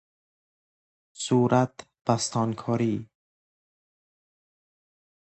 صورت بستانکاری